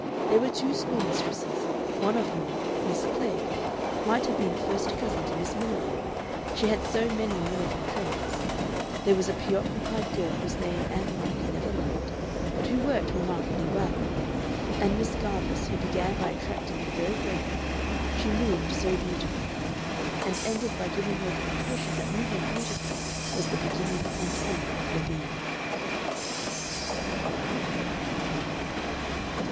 There were two school mistresses, one of whom Miss Klegg might have been a first cousin to Miss Miniver, she had so many Miniver traits; there was a preoccupied girl whose name Ann Veronica never learned, but who worked remarkably well; and Miss Garvice, who began by attracting her very greatly she moved so beautifully and ended by giving her the impression that moving beautifully was the beginning and end of her being.